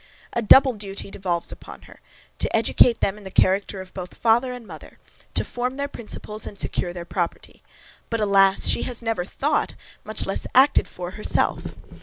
A double duty devolves on her; to educate them in the character of both father and mother; to form their principles and secure their property. But, alas! she has never thought, much less acted for herself.